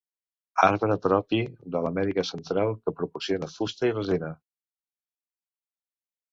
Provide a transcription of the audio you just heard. Arbre propi de l'Amèrica Central, que proporciona fusta i resina.